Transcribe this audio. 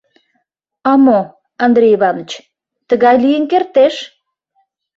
— А мо, Андрей Иваныч, тыгай лийын кертеш!